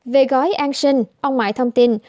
về gói an sinh ông mãi thông tin